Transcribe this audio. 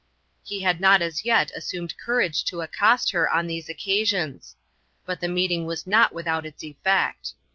He had not as yet assumed courage to accost her on these occasions; but the meeting was not without its effect.